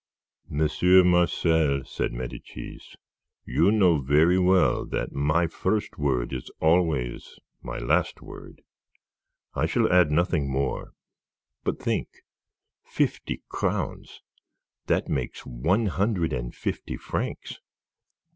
"Monsieur Marcel," said Medicis, "you know very well that my first word is always my last word. I shall add nothing more. But think; fifty crowns; that makes one hundred and fifty francs.